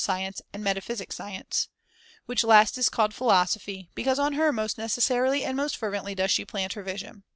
Of the science, and metaphysic science ; which last is sciences called philosophy, because on her most neces sarily and most fervently does she plant her vision.